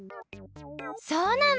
そうなの！